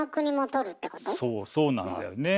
そうそうなんだよね。